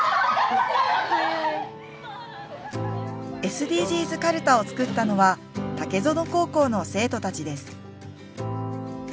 ＳＤＧｓかるたを作ったのは竹園高校の生徒たちです。